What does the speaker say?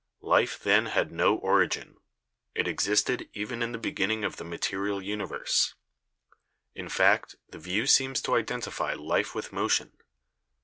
Life then had no origin; it existed even in the beginning of the material universe. In fact, the view seems to identify life with motion.